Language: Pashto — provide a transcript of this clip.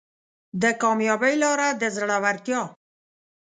د کامیابۍ لاره د زړورتیا